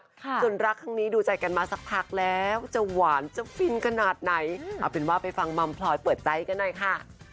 ส่วนรักครั้งนี้ดูใจกันมาสักพักแล้วจะหวานจะฟินขนาดไหนเอาเป็นว่าไปฟังมัมพลอยเปิดใจกันหน่อยค่ะ